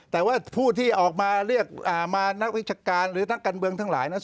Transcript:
แต่ว่าผู้ที่ออกมาเรียกมานักวิชาการหรือนักการเมืองทั้งหลายนะ